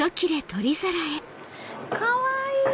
かわいい！